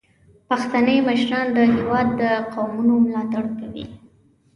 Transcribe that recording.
پښتني مشران د هیواد د قومونو ملاتړ کوي.